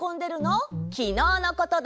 きのうのことだよ！